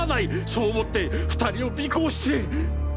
そう思って２人を尾行して。